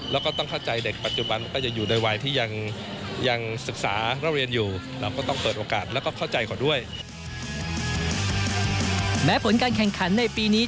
แม้ผลการแข่งขันฟุตบอลในปีนี้